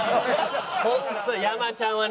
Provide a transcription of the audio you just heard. ホント山ちゃんはね